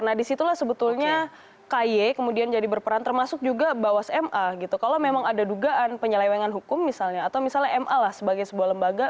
nah disitulah sebetulnya ky kemudian jadi berperan termasuk juga bawas ma gitu kalau memang ada dugaan penyelewengan hukum misalnya atau misalnya ma lah sebagai sebuah lembaga